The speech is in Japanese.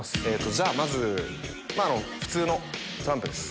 じゃあまず普通のトランプです